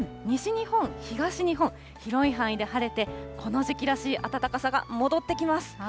西日本、東日本、広い範囲で晴れて、この時期らしい暖かさが戻ってきます。